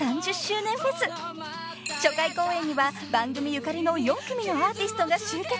［初回公演には番組ゆかりの４組のアーティストが集結］